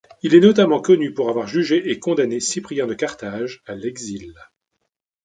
Il est notamment connu pour avoir jugé et condamné Cyprien de Carthage à l'exil.